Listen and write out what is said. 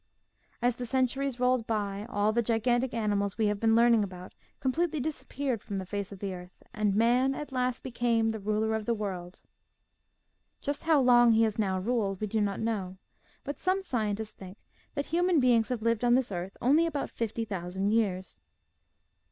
As the centuries rolled by, all the gigantic animals we have been learning about completely disappeared from the face of the earth, and man, at last, became SOME SOUTH AMERICAN RULERS 143 the ruler of the world. Just how long he has now ruled we do not know, but some scientists think that human beings have lived on this earth only about fifty thousand years.